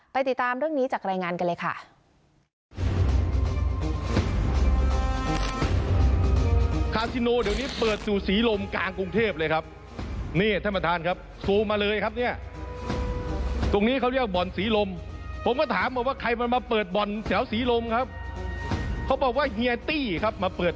ติดตามเรื่องนี้จากรายงานกันเลยค่ะ